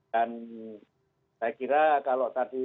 dan saya kira kalau tadi